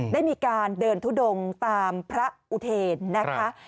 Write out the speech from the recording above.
ได้มีการเดินทุดงตามพระอุเทนนะคะ